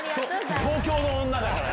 東京の女だからね。